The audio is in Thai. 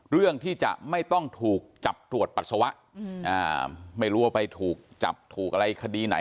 เรื่องที่จะไม่ต้องถูกจับตรวจปัสสาวะไม่รู้ว่าไปถูกจับถูกอะไรคดีไหน